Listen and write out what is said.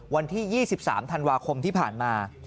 วันที่๒๓ธันวาคมที่ผ่านมา